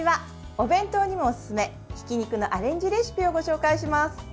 お弁当にもおすすめひき肉のアレンジレシピをご紹介します。